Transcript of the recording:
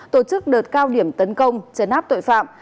tổ chức đợt cao điểm tấn công chấn áp tội phạm